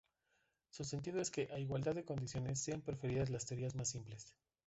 Su sentido es que "a igualdad de condiciones", sean preferidas las teorías más simples.